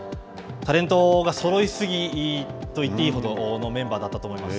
タレントがそろいすぎといっていいほどのメンバーだったと思います。